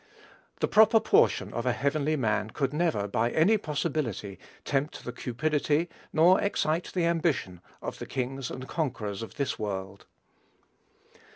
The proper portion of a heavenly man could never, by any possibility, tempt the cupidity nor excite the ambition of the kings and conquerors of this world.